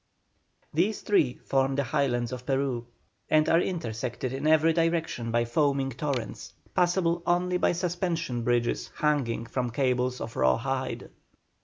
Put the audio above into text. These three form the Highlands of Peru, and are intersected in every direction by foaming torrents, passable only by suspension bridges hanging from cables of raw hide.